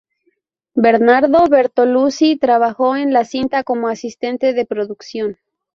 Bernardo Bertolucci trabajó en la cinta como asistente de producción.